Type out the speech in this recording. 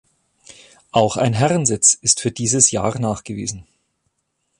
Auch ein Herrensitz ist für dieses Jahr nachgewiesen.